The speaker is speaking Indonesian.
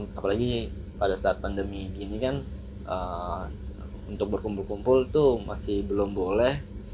apalagi pada saat pandemi gini kan untuk berkumpul kumpul itu masih belum boleh